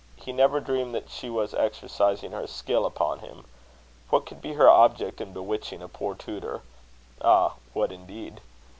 He never dreamed that she was exercising her skill upon him. What could be her object in bewitching a poor tutor? Ah! what indeed?